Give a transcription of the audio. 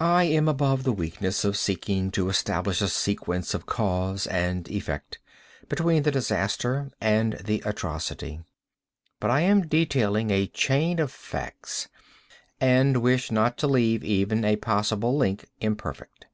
I am above the weakness of seeking to establish a sequence of cause and effect, between the disaster and the atrocity. But I am detailing a chain of facts—and wish not to leave even a possible link imperfect.